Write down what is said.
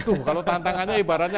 tuh kalau tantangannya ibaratnya